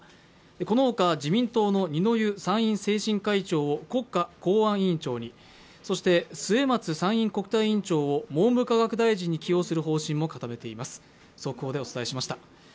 この他、自民党の二之湯参院政審会長を国家公安委員長に、そして末松参院国対委員長を文部科学大臣に起用する方針も固めています。